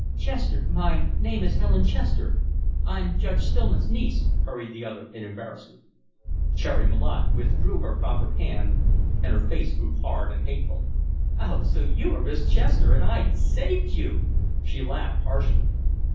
"Chester. My name is Helen Chester. I'm Judge Stillman's niece," hurried the other, in embarrassment. Cherry Malotte withdrew her proffered hand and her face grew hard and hateful. "Oh! So you are Miss Chester and I saved you!" She laughed harshly.